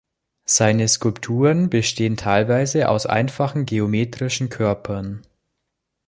Seine Skulpturen bestehen teilweise aus einfachen geometrischen Körpern.